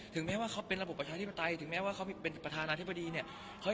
แม้ว่าเขาเป็นระบบประชาธิปไตยถึงแม้ว่าเขาเป็นประธานาธิบดีเนี่ย